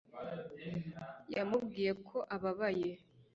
yamubwiye ko ababaye